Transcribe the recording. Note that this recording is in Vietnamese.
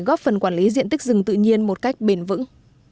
góp phần quản lý diện tích rừng tự nhiên một cách bền vững